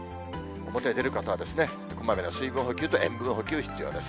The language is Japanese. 表へ出る方は、こまめな水分補給と塩分補給必要です。